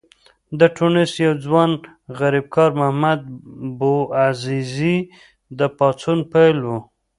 د ټونس یو ځوان غریبکار محمد بوعزیزي د پاڅون پیل و.